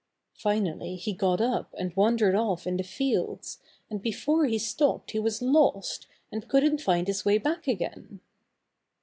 Finally, he got up and wandered off in the fields, and before he stopped he was lost and couldn't find his way back again.